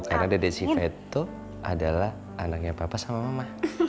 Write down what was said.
karena dede siva itu adalah anaknya papa sama mama